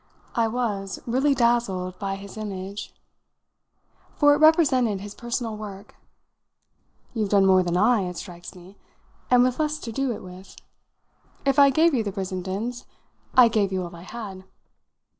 I was really dazzled by his image, for it represented his personal work. "You've done more than I, it strikes me and with less to do it with. If I gave you the Brissendens I gave you all I had."